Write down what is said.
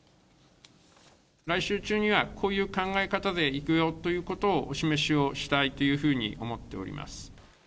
来週中には、こういう考え方でいくよということをお示しをしたいというふうに思っております。